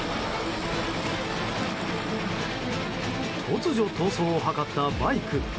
突如、逃走を図ったバイク。